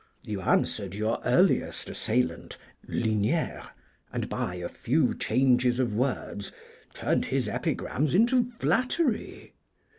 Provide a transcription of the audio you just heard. You answered your earliest assailant, Liniére, and, by a few changes of words, turned his epigrams into flattery.